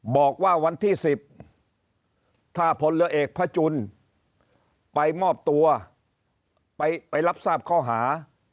บอกว่าวันที่๑๐ถ้าพลเรือเอกพระจุลไปมอบตัวไปรับทราบข้อหา